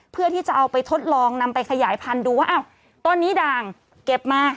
เพื่อที่จะเอาไปทดลองนำไปขยายพันธุ์ดูว่าอ้าวต้นนี้ด่างเก็บมา